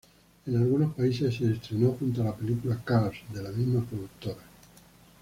En algunos países se estrenó junto a la película Cars, de la misma productora.